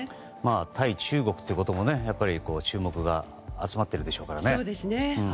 対中国ということもやっぱり注目が集まってるでしょうからね。